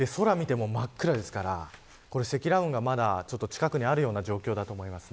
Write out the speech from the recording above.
空を見ても真っ暗ですから積乱雲が近くにあるような状況だと思います。